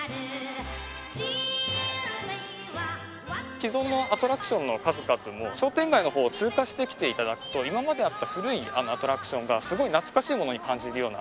既存のアトラクションの数々も商店街の方を通過してきて頂くと今まであった古いアトラクションがすごい懐かしいものに感じるような。